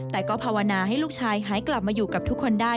แต่ก็ภาวนาให้ลูกชายหายกลับมาอยู่กับทุกคนได้